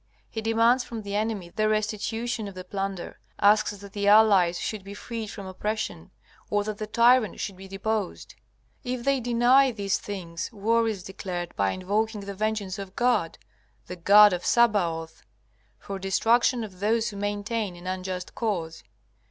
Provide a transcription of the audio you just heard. He demands from the enemy the restitution of the plunder, asks that the allies should be freed from oppression, or that the tyrant should be deposed. If they deny these things war is declared by invoking the vengeance of God the God of Sabaoth for destruction of those who maintain an unjust cause.